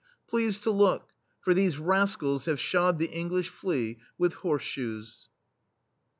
Please to look, for these rascals have shod the English flea with horse shoes